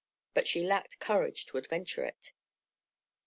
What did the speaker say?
But she lacked courage to adventure it.